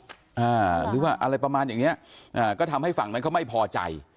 หรือว่าอะไรประมาณอย่างเนี้ยอ่าก็ทำให้ฝั่งนั้นเขาไม่พอใจ